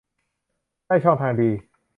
ได้ช่องทางดี